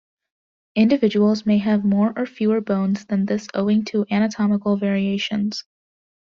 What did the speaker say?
Individuals may have more or fewer bones than this owing to anatomical variations.